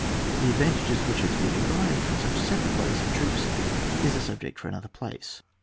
The advantages which are to be derived from such separate bodies of troops is a subject for another place.